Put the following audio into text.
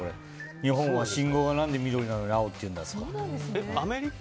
日本は信号、何で緑なのに青って言うんだと。